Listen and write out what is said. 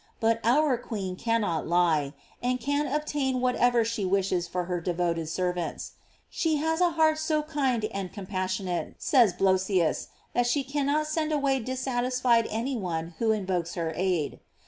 But our queen cannot lie, and can obtain whatever she wishes for her de voted servants. She has a heart so kind and compassionate, says Blosius, that she cannot send away dissatisfied any one who invokes her aid.